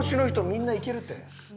みんないけるって。